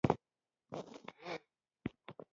یوسلو څوارلس سورتونه او دېرش سپارې لري.